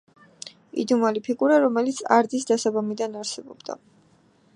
იდუმალი ფიგურა, რომელიც არდის დასაბამიდან არსებობდა.